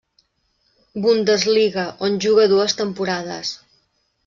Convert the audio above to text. Bundesliga, on juga dues temporades.